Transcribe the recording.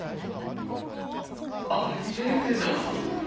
あり得ねえだろ。